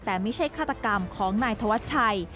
แต่ไม่ใช่ฆาตกรรมของนายธวัชชัย